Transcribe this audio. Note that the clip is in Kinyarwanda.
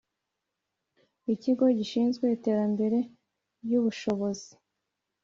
Ikigo gishinzwe iterambere ry ubushobozi